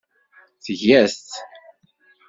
Tga-t.